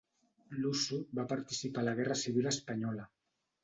Lussu va participar a la guerra civil espanyola.